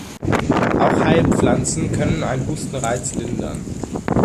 Auch Heilpflanzen können einen Hustenreiz lindern.